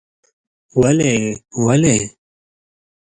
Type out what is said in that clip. ولې؟ ولې؟؟؟ ….